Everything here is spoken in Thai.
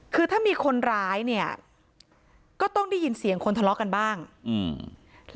คือถ้ามีคนร้ายเนี่ยก็ต้องได้ยินเสียงคนทะเลาะกันบ้างอืม